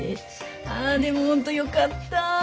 あでも本当よかった。